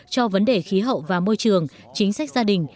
cho vấn đề khí hậu và môi trường chính sách gia đình